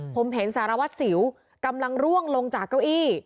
ผมเห็นสารวัตรสิวกำลังร่วงลงจากเก้าอี้